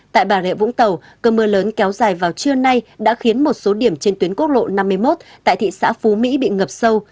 tại bà rịa vũng tàu cơn mưa lớn kéo dài vào trưa nay đã khiến một số điểm trên tuyến quốc lộ năm mươi một tại thị xã phú mỹ bị ngập sâu